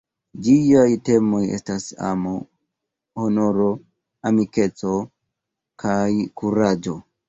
Ĝiaj temoj estas amo, honoro, amikeco kaj kuraĝo.